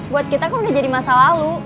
buat kita kan udah jadi masa lalu